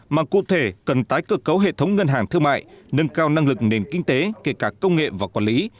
mà cụ thể cần tái cơ cấu hệ thống ngân hàng thương mại nâng cao năng lực nền kinh tế kể cả công nghệ và quản lý